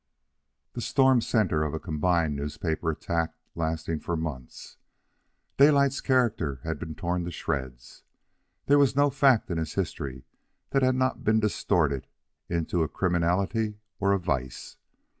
The storm centre of a combined newspaper attack lasting for months, Daylight's character had been torn to shreds. There was no fact in his history that had not been distorted into a criminality or a vice.